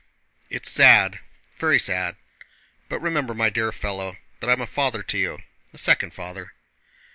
"It's sad, very sad. But remember, my dear fellow, that I am a father to you, a second father...."